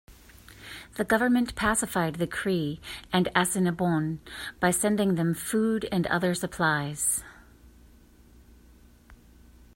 The government pacified the Cree and Assiniboine by sending them food and other supplies.